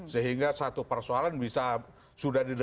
sehingga satu persoalan bisa berkaitan dengan pekerjaan lainnya